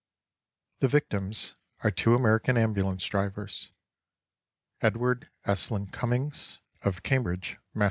The victims are two American ambulance drivers, Edward Estlin Cummings of Cambridge, Mass.